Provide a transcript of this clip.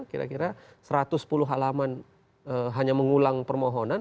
kira kira satu ratus sepuluh halaman hanya mengulang permohonan